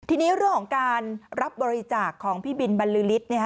ทีนี้เรื่องของการรับบริจาคของพี่บินบรรลือฤทธิ์